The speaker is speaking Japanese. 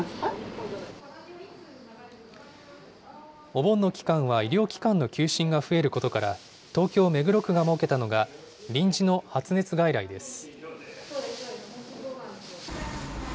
お盆の期間は医療機関の休診が増えることから、東京・目黒区が設けたのが、臨時の発熱外来です。